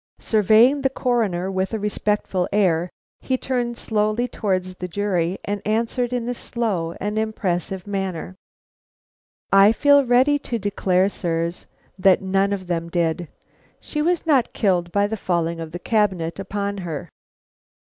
Surveying the Coroner with a respectful air, he turned slowly towards the jury and answered in a slow and impressive manner: "I feel ready to declare, sirs, that none of them did. She was not killed by the falling of the cabinet upon her."